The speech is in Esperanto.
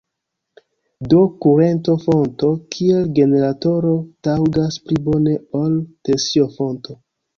Do kurento-fonto kiel generatoro taŭgas pli bone ol tensio-fonto.